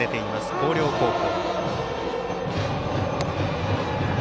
広陵高校。